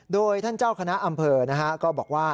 โดยท่านเจ้าคณะอำเภอก็บอกว่า